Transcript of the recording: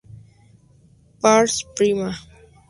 Pars Prima.